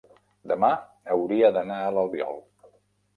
demà hauria d'anar a l'Albiol.